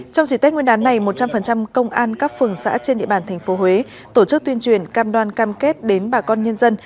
trong chỉ tết nguyên đán này một trăm linh công an các phường xã trên địa bàn tp huế tổ chức tuyên truyền cam đoan cam kết đến bà con nhân dân